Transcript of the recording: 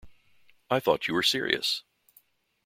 "I thought you were serious!